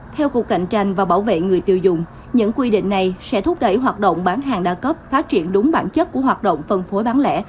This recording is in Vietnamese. theo cục cạnh tranh và bảo vệ người tiêu dùng những quy định này sẽ thúc đẩy hoạt động bán hàng đa cấp phát triển đúng bản chất của hoạt động phân phối bán lẻ